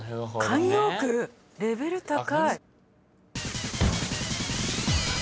慣用句⁉レベル高い。